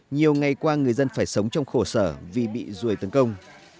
nhiều ngày qua người dân phải sống trong khổ sở vì bị ruồi tấn công